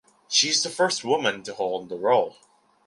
She is the first woman to hold the role.